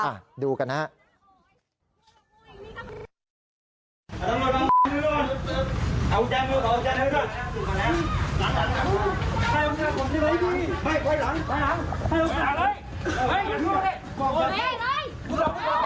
อ่ะดูกันนะครับ